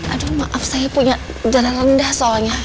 aduh maaf saya punya jalan rendah soalnya